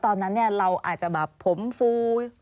ตอนนั้นเราอาจจะแบบผมฟู